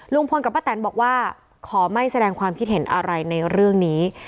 ลุงพลกับป้าแตนบอกว่าขอไม่แสดงความคิดเห็นอะไรในเรื่องนี้